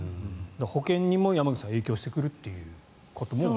保険にも山口さん影響してくることも。